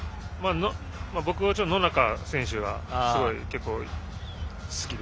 僕は野中選手が結構好きで。